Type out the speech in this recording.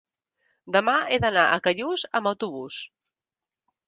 demà he d'anar a Callús amb autobús.